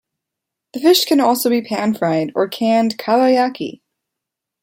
The fish can also be pan-fried or canned kabayaki.